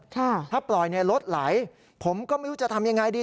ถ้าปล่อยเนี่ยรถไหลผมก็ไม่รู้จะทำยังไงดี